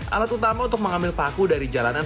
alat utama untuk mengambil paku dari jalanan